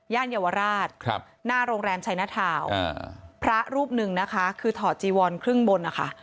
เยาวราชหน้าโรงแรมชัยหน้าทาวพระรูปหนึ่งนะคะคือถอดจีวอนครึ่งบนนะคะ